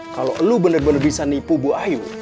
kalau lo bener bener bisa nipu bu ayu